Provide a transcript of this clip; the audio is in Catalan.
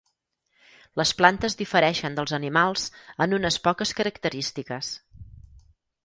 Les plantes difereixen dels animals en unes poques característiques.